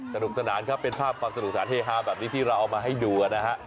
สนุกสนานครับเป็นภาพความสนุกสนานเฮฮาแบบนี้ที่เราเอามาให้ดูนะฮะ